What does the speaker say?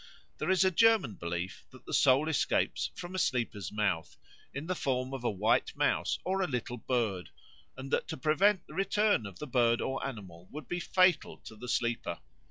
There is a German belief that the soul escapes from a sleeper's mouth in the form of a white mouse or a little bird, and that to prevent the return of the bird or animal would be fatal to the sleeper.